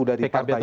dari partai ini